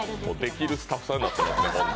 できるスタッフさんになってますね。